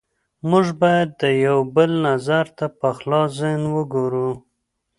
موږ باید د یو بل نظر ته په خلاص ذهن وګورو